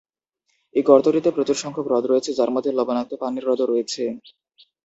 এই গর্তটিতে প্রচুর সংখ্যক হ্রদ রয়েছে, যার মধ্যে লবণাক্ত পানির হ্রদও রয়েছে।